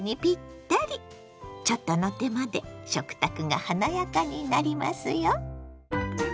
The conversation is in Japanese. ちょっとの手間で食卓が華やかになりますよ。